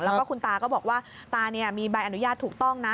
แล้วก็คุณตาก็บอกว่าตามีใบอนุญาตถูกต้องนะ